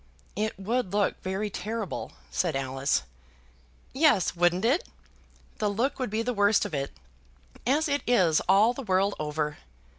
"It would look very terrible," said Alice. "Yes; wouldn't it? The look would be the worst of it; as it is all the world over.